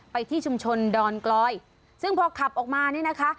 ที่ชุมชนดอนกลอยซึ่งพอขับออกมานี่นะคะ